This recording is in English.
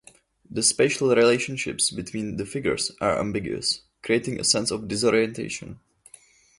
The spatial relationships between the figures are ambiguous, creating a sense of disorientation.